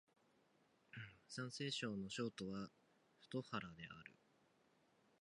山西省の省都は太原である